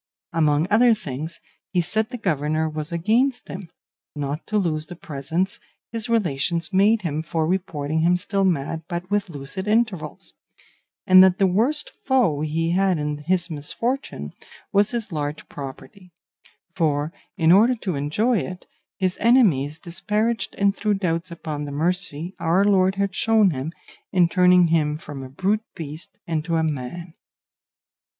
Among other things, he said the governor was against him, not to lose the presents his relations made him for reporting him still mad but with lucid intervals; and that the worst foe he had in his misfortune was his large property; for in order to enjoy it his enemies disparaged and threw doubts upon the mercy our Lord had shown him in turning him from a brute beast into a man.